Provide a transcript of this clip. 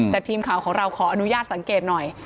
แต่ทีมข่าวของเราขออนุญาตสังเกตหน่อย